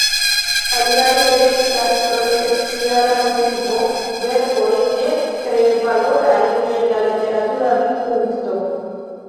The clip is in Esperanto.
Aliaj elektas pro speciala motivo verkojn ne tre valorajn je la literatura vidpunkto.